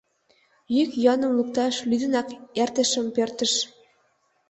Йӱк-йӱаным лукташ лӱдынак, эртышым пӧртыш.